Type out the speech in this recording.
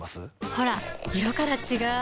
ほら色から違う！